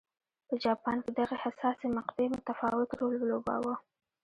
په جاپان کې دغې حساسې مقطعې متفاوت رول ولوباوه.